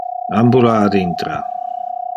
Ambula ad intra.